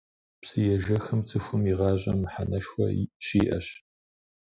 Псыежэхым цӀыхум и гъащӀэм мыхьэнэшхуэ щиӀэщ.